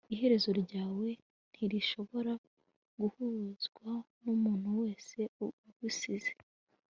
iherezo ryawe ntirishobora guhuzwa numuntu wese ugusize